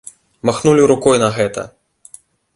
Махнулі рукой на гэта.